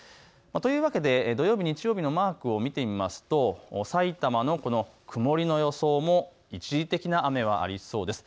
というわけで土曜日、日曜日のマークを見るとさいたまの曇りの予想も一時的な雨はありそうです。